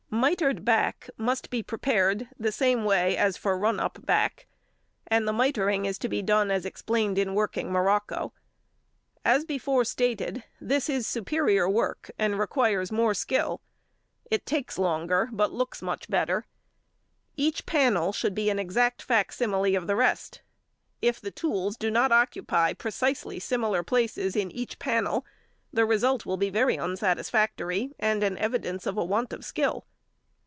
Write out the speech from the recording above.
Mitred back must be prepared the same way as for "run up back," and the mitreing is to be done as explained in working morocco. As before stated, this is superior work and requires more skill; takes longer, but looks much better: each panel should be an exact facsimile of the rest. If the tools do not occupy precisely similar places in each panel, the result will be very unsatisfactory, and an evidence of a want of skill.